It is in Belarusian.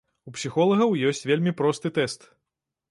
У псіхолагаў ёсць вельмі просты тэст.